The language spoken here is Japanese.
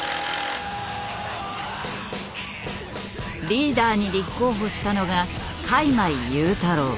リーダーに立候補したのが開米雄太郎。